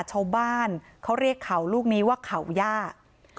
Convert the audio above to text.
ชาวบ้านเขาเรียกเขาลูกนี้ว่าเขายาก